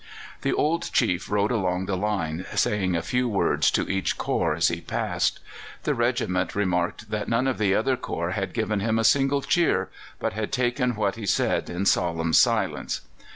The old chief rode along the line, saying a few words to each corps as he passed. The regiment remarked that none of the other corps had given him a single cheer, but had taken what he said in solemn silence.